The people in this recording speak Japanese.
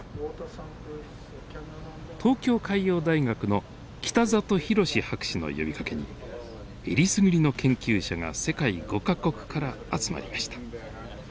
東京海洋大学の北里洋博士の呼びかけにえりすぐりの研究者が世界５か国から集まりました。